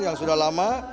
yang sudah lama